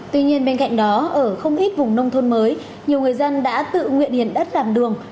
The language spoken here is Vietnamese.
tuy nhiên bên cạnh đó ở không ít vùng nông thôn mới nhiều người dân đã tự nguyện hiển đất làm đường